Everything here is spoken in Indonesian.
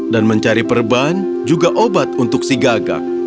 dan mencari perban juga obat untuk si gagak